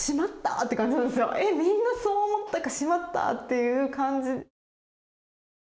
「えっみんなそう思ったかしまった！」っていう感じ。